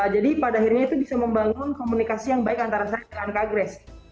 jadi pada akhirnya itu bisa membangun komunikasi yang baik antara saya dan kagres